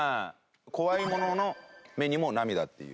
怖いものの目にも涙っていう。